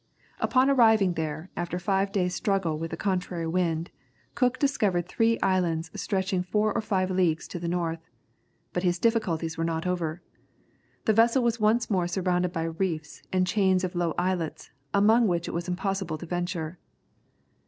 Upon arriving there, after five days' struggle with a contrary wind, Cook discovered three islands stretching four or five leagues to the north. But his difficulties were not over. The vessel was once more surrounded by reefs and chains of low islets, amongst which it was impossible to venture.